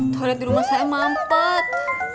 toilet dirumah saya mampet